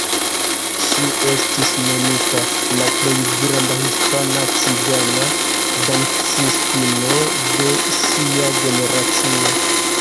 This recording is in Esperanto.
Ŝi estis nomita "la plej granda hispana cigana dancistino de sia generacio".